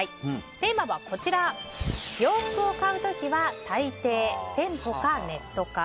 テーマは、洋服を買うときは大抵店舗かネットか。